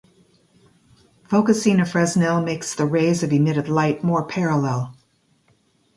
Focusing a fresnel makes the rays of emitted light more parallel.